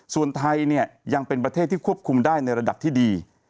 ส่วนไทยยังเป็นประเทศที่ควบคุมได้ในระดับที่ดี